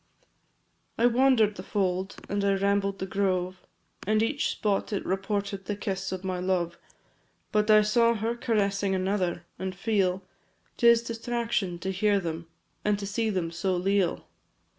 II. I wander'd the fold, and I rambled the grove, And each spot it reported the kiss of my love; But I saw her caressing another and feel 'Tis distraction to hear them, and see them so leal.